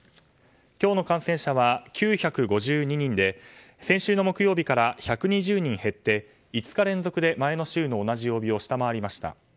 今日の感染者は９５２人で先週の木曜日から１２０人減って５日連続で前の週の同じ曜日を下回りました。